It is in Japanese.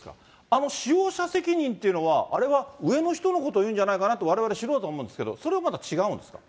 あの使用者責任というのは、あれは上の人のことを言うんじゃないかなと、われわれ素人は思うんですけれども、それはまた違うんですか？